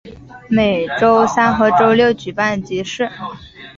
每周三和周六举办集市。